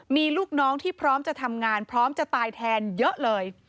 มีลูกน้องที่พร้อมจะทำงานพร้อมจะตายแทนเยอะเลย